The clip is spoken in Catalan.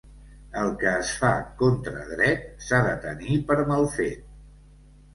El que es fa contra dret s'ha de tenir per mal fet.